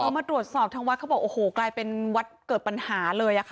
พอมาตรวจสอบทางวัดเขาบอกโอ้โหกลายเป็นวัดเกิดปัญหาเลย